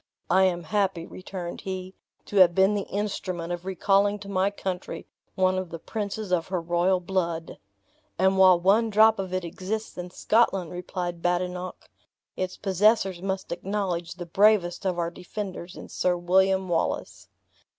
"I am happy," returned he, "to have been the instrument of recalling to my country one of the princes of her royal blood." "And while one drop of it exists in Scotland," replied Badenoch, "its possessors must acknowledge the bravest of our defenders in Sir William Wallace."